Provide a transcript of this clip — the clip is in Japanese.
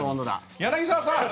柳澤さん